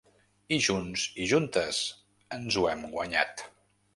I junts i juntes ens ho hem guanyat.